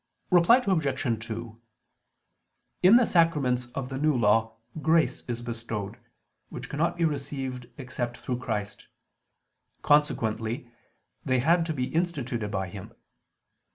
Reply Obj. 2: In the sacraments of the New Law grace is bestowed, which cannot be received except through Christ: consequently they had to be instituted by Him.